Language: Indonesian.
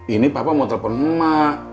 ini papa mau telepon emak